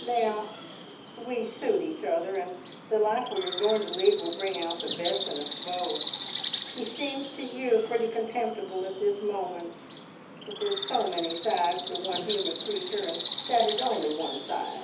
Now, we suit each other, and the life we are going to lead will bring out the best in us both! He seems to you pretty contemptible at this moment, but there's so many sides to one human creature, and that is only one side.